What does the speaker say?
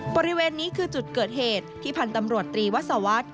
บริเวณนี้คือจุดเกิดเหตุที่พันธ์ตำรวจตรีวัศวรรษ